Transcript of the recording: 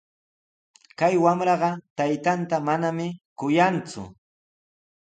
Kay wamraqa taytanta manami kuyanku.